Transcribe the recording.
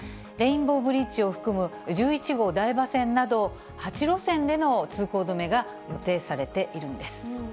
レインボーブリッジを含む、１１号台場線など、８路線での通行止めが予定されているんです。